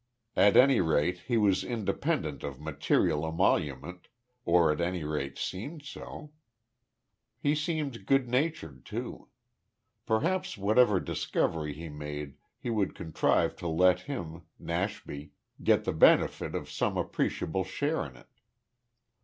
At any rate, he was independent of material emolument, or at any rate seemed so. He seemed good natured too. Perhaps whatever discovery he made he would contrive to let him Nashby get the benefit of some appreciable share in it.